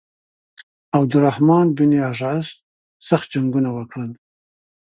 عبدالرحمن بن اشعث سخت جنګونه وکړل.